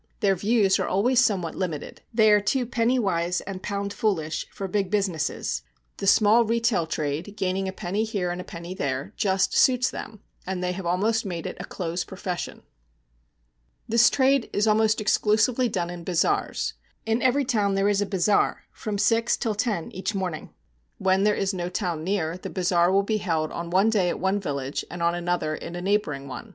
Their views are always somewhat limited; they are too pennywise and pound foolish for big businesses. The small retail trade, gaining a penny here and a penny there, just suits them, and they have almost made it a close profession. This trade is almost exclusively done in bazaars. In every town there is a bazaar, from six till ten each morning. When there is no town near, the bazaar will be held on one day at one village and on another at a neighbouring one.